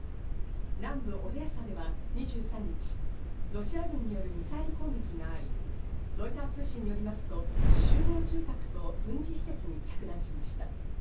南部オデーサでは２３日、ロシア軍によるミサイル攻撃があり、ロイター通信によりますと、集合住宅と軍事施設に着弾しました。